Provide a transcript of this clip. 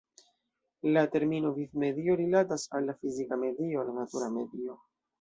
La termino "vivmedio" rilatas al la fizika medio, la natura medio.